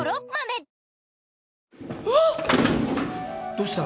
どうした？